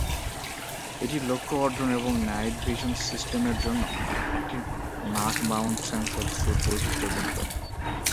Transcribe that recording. এটি লক্ষ্য অর্জন এবং নাইট ভিশন সিস্টেমের জন্য একটি নাক-মাউন্ট সেন্সর স্যুট বৈশিষ্ট্যযুক্ত।